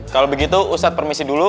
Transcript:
kalau begitu ustadz permisi dulu